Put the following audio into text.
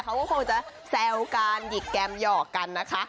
เขาก็คงจะแซวกันหยิกแกมหยอกกันนะคะ